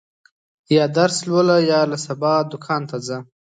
یا درس لوله، یا له سبا دوکان ته ځه.